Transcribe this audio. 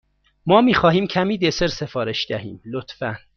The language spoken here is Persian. ما می خواهیم کمی دسر سفارش دهیم، لطفا.